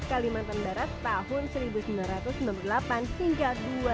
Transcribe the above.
kalimantan barat tahun seribu sembilan ratus sembilan puluh delapan hingga dua ribu dua